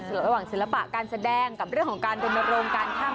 แต่จะตามทะเลและเสด็งได้อะไรแบบนี้